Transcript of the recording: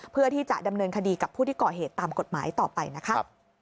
เพื่อที่จะดำเนินคดีกับผู้ที่ก่อเหตุตามกฎหมายต่อไปนะคะ